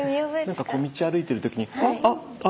なんか道歩いてる時に「あっ！ああ」。